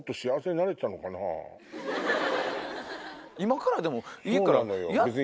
今からでもいいからやったら？